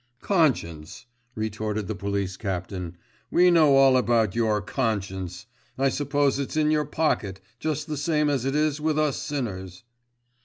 'Conscience!' retorted the police captain. 'We know all about your conscience! I suppose it's in your pocket, just the same as it is with us sinners!